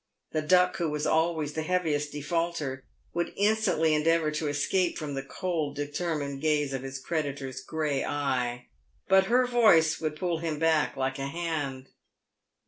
The Duck, who was always the heaviest defaulter, would instantly endeavour to escape from the cold, determined gaze of his creditor's grey eye ; but her voice would pull him back like a hand.